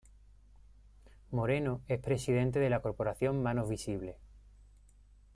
Moreno es presidente de la Corporación Manos Visibles.